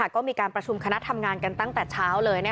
ก็มีการประชุมคณะทำงานกันตั้งแต่เช้าเลย